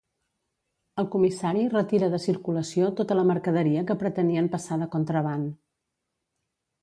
El comissari retira de circulació tota la mercaderia que pretenien passar de contraban.